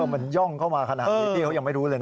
มันย่องเข้ามาขนาดนี้พี่เขายังไม่รู้เลยนะ